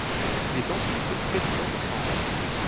Il est ensuite président de chambre.